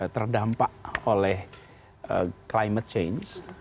terdampak oleh climate change